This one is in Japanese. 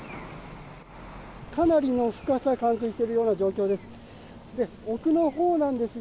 かなりの深さが冠水しているような状況です。